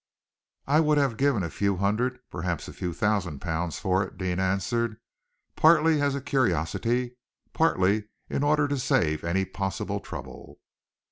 "I would have given a few hundred perhaps a few thousand pounds for it," Deane answered, "partly as a curiosity, partly in order to save any possible trouble."